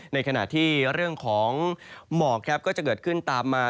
ในขณะที่เรื่องของหมอกก็จะเกิดขึ้นตามมา